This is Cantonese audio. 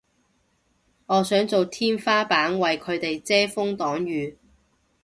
我想做天花板為佢哋遮風擋雨